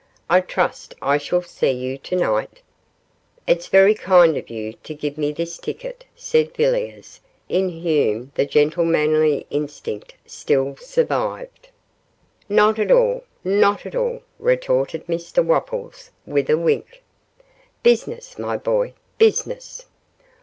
I trust I shall see you tonight.' 'It's very kind of you to give me this ticket,' said Villiers, in whom the gentlemanly instinct still survived. 'Not at all; not at all,' retorted Mr Wopples, with a wink. 'Business, my boy, business.